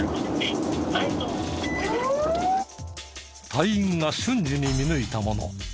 隊員が瞬時に見抜いたもの。